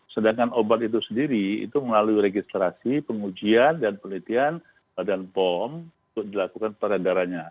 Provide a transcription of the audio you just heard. sedangkan obat itu sendiri itu melalui registrasi pengujian dan penelitian badan pom untuk dilakukan peredarannya